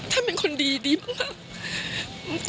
ท่านเป็นคนดีที่ดีมาก